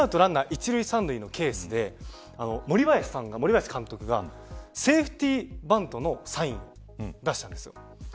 １塁３塁のケースで森林監督がセーフティーバントのサインを出したんです。